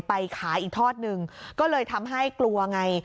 ไปขายอีกทอดหนึ่งก็เลยทำให้กลัวไง